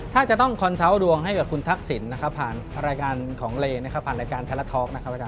ถ้าจะต้องขอครับดูีไปให้กับคุณทักษิณธาลาท้อค